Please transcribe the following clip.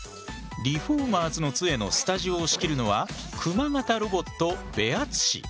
「リフォーマーズの杖」のスタジオを仕切るのは熊型ロボットベアツシ。